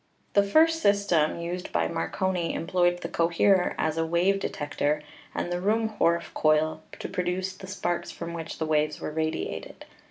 The first system used by Marconi employed the coherer as a wave detector and the Ruhmhorff coil to produce the sparks from which the waves were radiated.